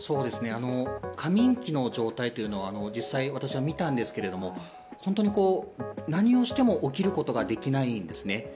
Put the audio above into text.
過眠期の状態というのは実際、私は見たんですけれども本当に何をしても起きることができないんですね。